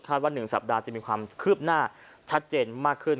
ว่า๑สัปดาห์จะมีความคืบหน้าชัดเจนมากขึ้น